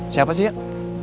siapa sih ya